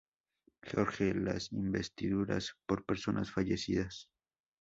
George las investiduras por personas fallecidas.